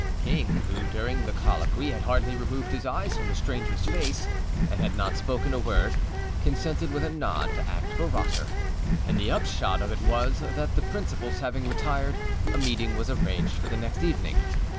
King, who during the colloquy had hardly removed his eyes from the strangerâs face and had not spoken a word, consented with a nod to act for Rosser, and the upshot of it was that, the principals having retired, a meeting was arranged for the next evening.